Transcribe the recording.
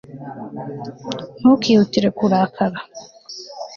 ntukihutire kurakara